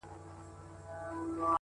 پخوا د كلي په گودر كي جـادو.